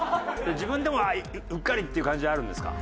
自分でもうっかりっていう感じはあるんですか？